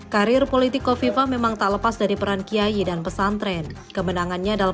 karir politik kofifa memang tak lepas dari peran kiai dan pesantren kemenangannya dalam